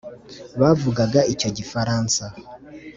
bavugaga icyo gifaransa